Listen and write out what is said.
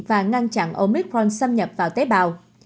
và ngăn chặn omicron xâm nhập vào tế bào